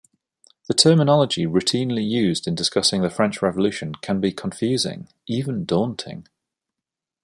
The terminology routinely used in discussing the French Revolution can be confusing, even daunting.